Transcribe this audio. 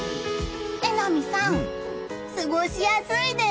榎並さん、過ごしやすいです！